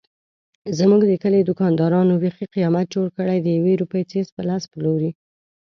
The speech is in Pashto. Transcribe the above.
زموږ د کلي دوکاندارانو بیخي قیامت جوړ کړی دیوې روپۍ څيز په لس پلوري.